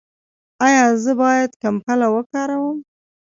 ایا زه باید کمپله وکاروم؟